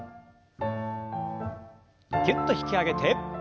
ぎゅっと引き上げて。